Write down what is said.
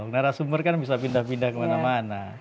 narasumber kan bisa pindah pindah kemana mana